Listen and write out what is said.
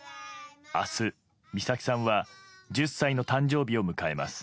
明日、美咲さんは１０歳の誕生日を迎えます。